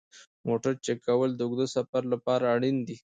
د موټر چک کول د اوږده سفر لپاره اړین دي.